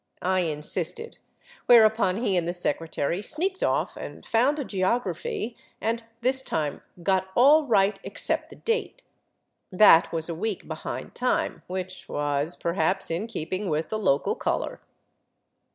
I insisted, whereupon he and the secretary sneaked off and found a geography, and this time got all right except the date. That was a week behind time, which was perhaps in keeping with the local color.